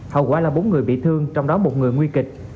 hậu quả là bốn người bị thương trong đó một người nguy kịch